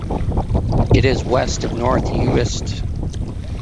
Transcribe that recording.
It is west of North Uist.